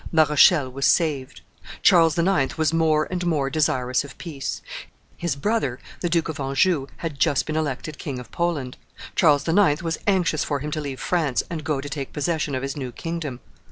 La Rochelle was saved. Charles IX. was more and more desirous of peace; his brother, the Duke of Anjou, had just been elected King of Poland; Charles IX. was anxious for him to leave France and go to take possession of his new kingdom.